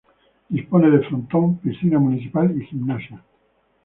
Dispone de frontón, piscina municipal y gimnasio.